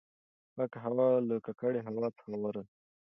پاکه هوا له ککړې هوا څخه غوره ده.